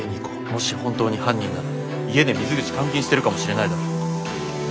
もし本当に犯人なら家で水口監禁してるかもしれないだろ。